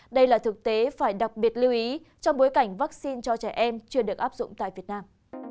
đây là thực tế phải đặc biệt lưu ý trong bối cảnh vaccine cho trẻ em chưa được áp dụng tại việt nam